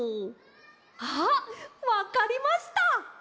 ああわかりました！